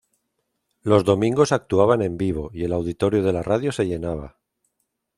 Los domingos actuaban en vivo, y el auditorio de la radio se llenaba.